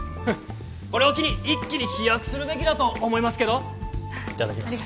これを機に一気に飛躍するべきだと思いますけどいただきます